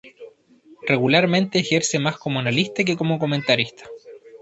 Regularmente ejerce más como analista que como comentarista.